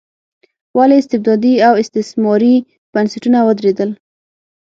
ولې استبدادي او استثماري بنسټونه ودرېدل.